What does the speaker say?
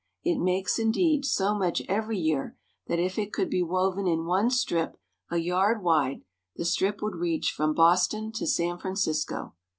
It makes, indeed, so much every year that if it could be woven in one strip a yard wide, the strip would reach from Boston to San Francisco.